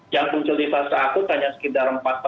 yang muncul di fase akut hanya sekitar